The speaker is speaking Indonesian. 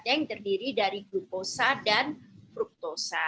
ada yang terdiri dari glukosa dan fruktosa